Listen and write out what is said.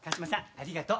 ありがとう。